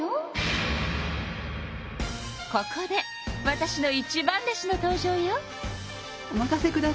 ここでわたしの一番弟子の登場よ。